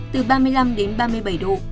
từ ba mươi năm đến ba mươi bảy độ